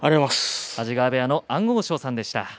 安治川部屋の安大翔さんでした。